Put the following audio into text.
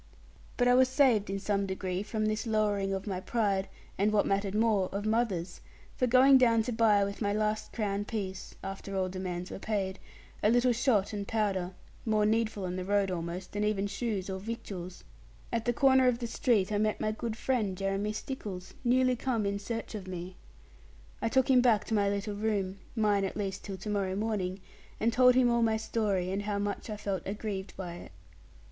But I was saved in some degree from this lowering of my pride, and what mattered more, of mother's; for going to buy with my last crown piece (after all demands were paid) a little shot and powder, more needful on the road almost than even shoes or victuals, at the corner of the street I met my good friend Jeremy Stickles, newly come in search of me. I took him back to my little room mine at least till to morrow morning and told him all my story, and how much I felt aggrieved by it.